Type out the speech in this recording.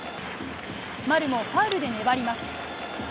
丸もファウルで粘ります。